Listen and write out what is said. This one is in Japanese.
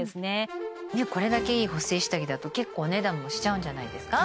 これだけいい補整下着だと結構お値段もしちゃうんじゃないですか？